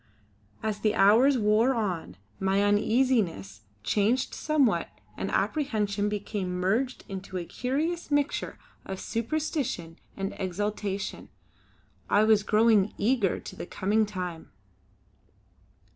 As the hours wore on, my uneasiness changed somewhat and apprehension became merged in a curious mixture of superstition and exaltation. I was growing eager to the coming time.